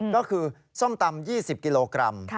ก็คือส้มตำ๒๐กิโลกรัม